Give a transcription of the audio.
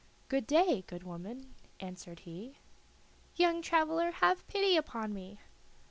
"Good day, good woman," answered he. "Young traveler, have pity upon me."